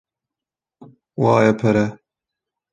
- Vaye pere.